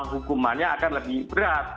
hukumannya akan lebih berat